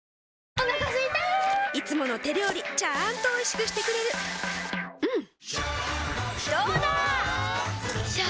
お腹すいたいつもの手料理ちゃんとおいしくしてくれるジューうんどうだわ！